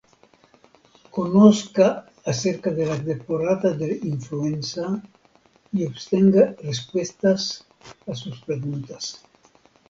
Conozca acerca de la temporada de influenza y obtenga respuestas a sus preguntas.